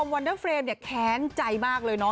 วันเดอร์เฟรมแขนใจมากเลย